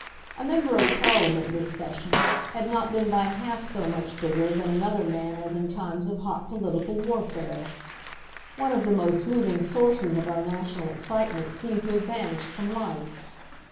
A member of Parliament this Session had not been by half so much bigger than another man as in times of hot political warfare. One of the most moving sources of our national excitement seemed to have vanished from life.